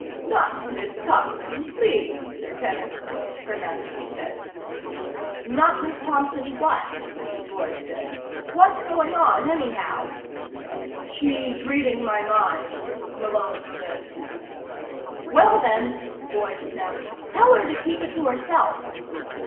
"Not Miss Thompson, please, Sir Kenneth," Her Majesty said. "Not Miss Thompson what?" Boyd said. "What's going on anyhow?" "She's reading my mind," Malone said. "Well, then," Boyd snapped, "tell her to keep it to herself."